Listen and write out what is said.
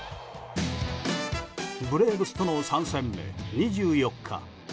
ブレーブスとの３戦目、２４日。